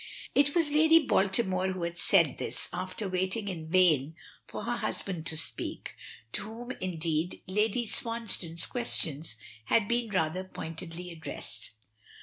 It was Lady Baltimore who had said this, after waiting in vain for her husband to speak to whom, indeed, Lady Swansdown's question had been rather pointedly addressed.